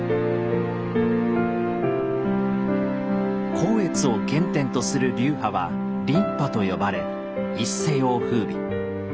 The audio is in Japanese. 光悦を原点とする流派は「琳派」と呼ばれ一世を風靡。